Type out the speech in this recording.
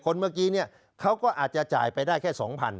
เมื่อกี้เนี่ยเขาก็อาจจะจ่ายไปได้แค่๒๐๐๐